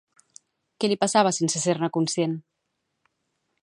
Què li passava sense ser-ne conscient?